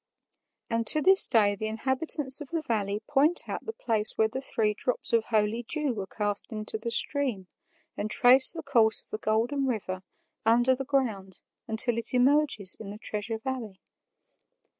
And to this day the inhabitants of the valley point out the place where the three drops of holy dew were cast into the stream, and trace the course of the Golden River under the ground until it emerges in the Treasure Valley.